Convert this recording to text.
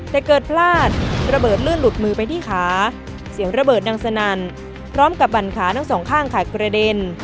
แต่เกิดพลาดระเบิดลื่นหลุดมือไปที่ขาเสียงระเบิดดังสนั่นพร้อมกับบันขาทั้งสองข้างขาดกระเด็น